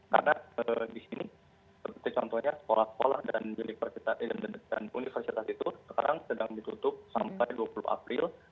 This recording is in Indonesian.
karena di sini seperti contohnya sekolah sekolah dan universitas itu sekarang sedang ditutup sampai dua puluh april